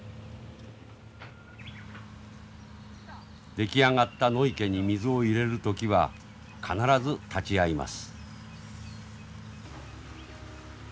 出来上がった野池に水を入れる時は必ず立ち会います。